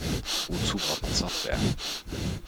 Wozu braucht man Software?